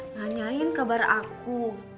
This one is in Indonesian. nanyain kabar aku